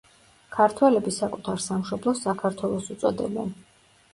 ქართველები საკუთარ სამშობლოს „საქართველოს“ უწოდებენ.